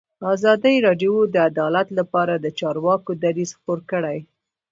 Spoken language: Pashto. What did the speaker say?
ازادي راډیو د عدالت لپاره د چارواکو دریځ خپور کړی.